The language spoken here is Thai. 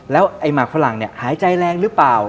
แล้วไอ้หมากฝรั่งเนี่ยหายใจแรงหรือเปล่า